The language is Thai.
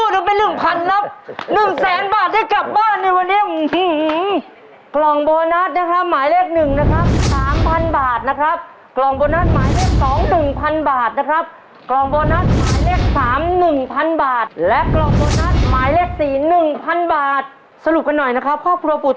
แดบผู้แดบผู้